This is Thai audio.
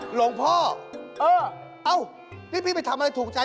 หลวงพ่อเออเอ้านี่พี่ไปทำอะไรถูกใจ